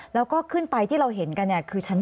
แล้วก็ขึ้นไปที่เราเห็นกันคือชั้น๘